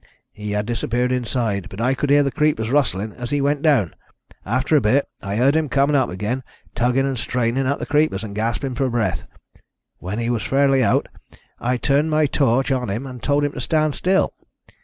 He had disappeared inside, but I could hear the creepers rustling as he went down. After a bit, I heard him coming up again, tugging and straining at the creepers, and gasping for breath. When he was fairly out, I turned my torch on him and told him to stand still.